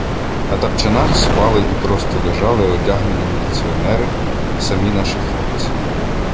На тапчанах спали і просто лежали одягнені "міліціонери" — самі наші хлопці.